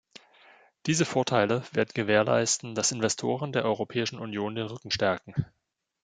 Diese Vorteile werden gewährleisten, dass Investoren der Europäischen Union den Rücken stärken.